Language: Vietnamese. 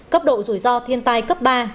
cấp độ rủi ro thiên tai cấp ba